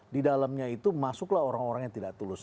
di dalamnya itu masuklah orang orang yang tidak tulus